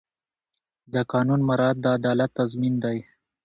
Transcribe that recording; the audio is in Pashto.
د قانون مراعات د عدالت تضمین دی.